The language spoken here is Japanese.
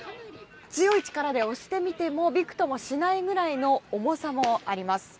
強い力で押してみてもびくともしないくらいの重さもあります。